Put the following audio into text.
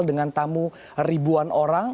dengan tamu ribuan orang